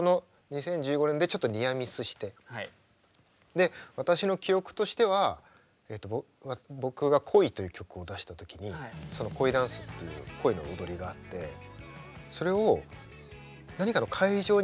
で私の記憶としては僕が「恋」という曲を出した時に恋ダンスという「恋」の踊りがあってそれを何かの会場に入る時に。